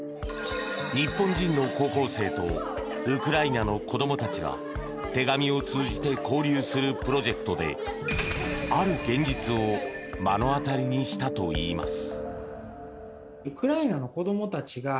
日本人の高校生とウクライナの子供たちが手紙を通じて交流するプロジェクトである現実を目の当たりにしたといいます。